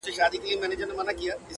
شب ګیرو راته سرې کړي ستا له لاسه,